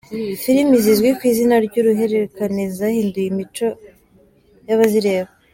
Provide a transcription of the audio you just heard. Filimi zizwi ku izina ryuruhererekane zahinduye imico y’abazireba